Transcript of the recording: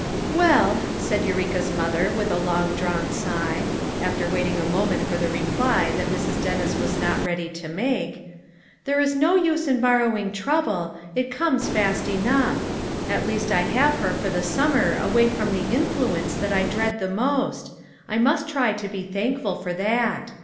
"Well," said Eureka's mother with a long drawn sigh, after waiting a moment for the reply that Mrs, Dennis was not ready to make, "there is no use in borrowing trouble, it comes fast enough; at least I have her for the summer away from the influence that I dread the most; I must try to be thankful for that.